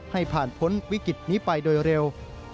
ให้ผ่านพ้นวิกฤตนี้ไปโดยเร็ว